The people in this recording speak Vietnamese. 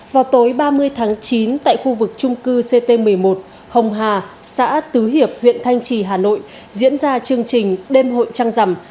vào tối ba mươi tháng chín tại khu vực trung cư ct một mươi một hồng hà xã tứ hiệp huyện thanh trì hà nội diễn ra chương trình đêm hội trăng rằm